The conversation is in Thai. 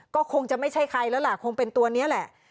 ก็คงจะไม่ใช่ใครแล้วล่ะคงเป็นตัวนี้แหละ